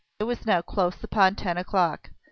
It was now close upon ten o'clock.